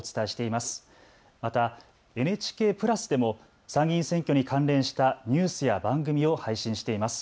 またＮＨＫプラスでも参議院選挙に関連したニュースや番組を発信しています。